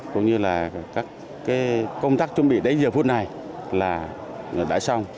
cũng như là các công tác chuẩn bị đến giờ phút này là đã xong